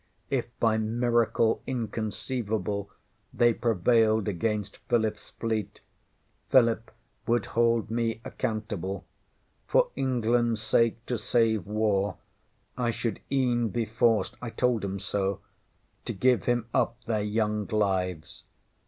If by miracle inconceivable they prevailed against PhilipŌĆÖs fleet, Philip would hold me accountable. For EnglandŌĆÖs sake, to save war, I should eŌĆÖen be forced (I told ŌĆśem so) to give him up their young lives.